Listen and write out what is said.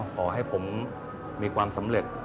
ขอให้ผมมีความสำเร็จ